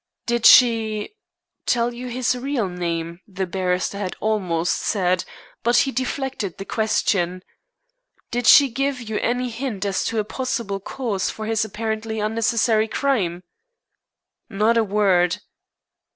"Did she tell you his real name?" the barrister had almost said, but he deflected the question. "Did she give you any hint as to a possible cause for this apparently unnecessary crime?" "Not a word."